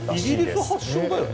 イギリス発祥だよね。